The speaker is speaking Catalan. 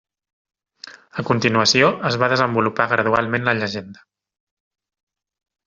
A continuació, es va desenvolupar gradualment la llegenda.